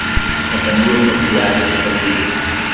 Companhia Imobiliária de Brasília